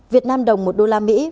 một vnđ một đô la mỹ